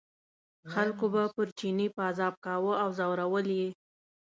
خلکو به پر چیني پازاب کاوه او ځورول یې.